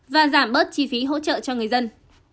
và giảm bớt chi phí hỗ trợ cho người dân